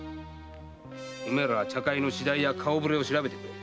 おめえらは茶会の次第や顔ぶれを調べてくれ。